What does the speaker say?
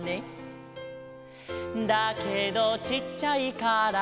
「だけどちっちゃいから」